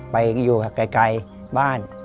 ไปอยู่ไกลบ้าน